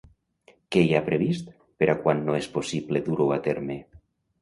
Què hi ha previst per a quan no és possible dur-ho a terme?